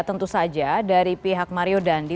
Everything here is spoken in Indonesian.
tentu saja dari pihak mario dandi